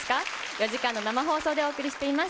４時間の生放送でお送りしています、